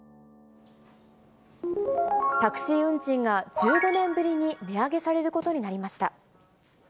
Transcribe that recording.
タクシー運賃が１５年ぶりに値上げされることになりました。